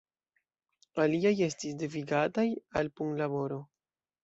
Aliaj estis devigataj al punlaboro.